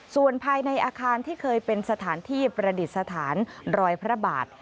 ส่วนภายในอาคารที่เคยเป็นสถานที่ประดิษฐานรอยพระบาท